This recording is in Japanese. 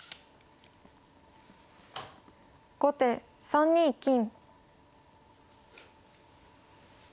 後手３二金。